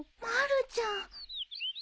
まるちゃん。